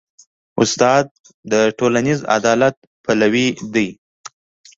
استاد د ټولنیز عدالت پلوی دی.